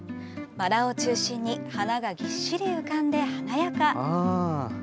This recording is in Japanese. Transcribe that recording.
バラを中心に花がぎっしり浮かんで華やか。